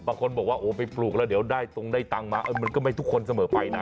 บางคนบอกว่าโอ้ไปปลูกแล้วเดี๋ยวได้ตรงได้ตังค์มามันก็ไม่ทุกคนเสมอไปนะ